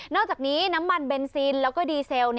อกจากนี้น้ำมันเบนซินแล้วก็ดีเซล